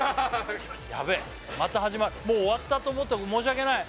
やべえまた始まるもう終わったと思ったとこ申し訳ない